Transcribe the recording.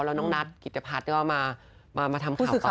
แล้วน้องนัทกิตพัฒน์ก็มาทำข่าวต่อ